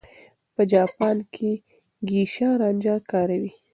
په جاپان کې ګېشا رانجه کاروي.